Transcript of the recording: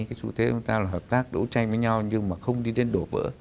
cái xu thế chúng ta là hợp tác đấu tranh với nhau nhưng mà không đi đến đổ vỡ